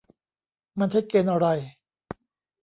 มันใช้เกณฑ์อะไร ?